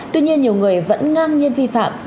tuy nhiên nhiều người vẫn ngang nhiên vi phạm